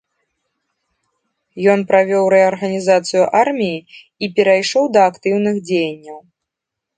Ён правёў рэарганізацыю арміі і перайшоў да актыўных дзеянняў.